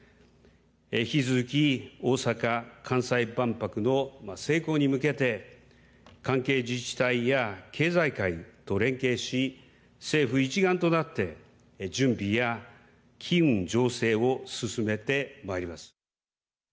引き続き、大阪・関西万博の成功に向けて関係自治体や経済界と連携し政府一丸となって準備や機運醸成を進めてまいります。